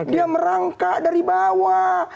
dia merangkak dari bawah